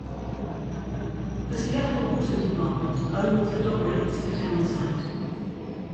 The Seattle Water Department owns and operates the townsite.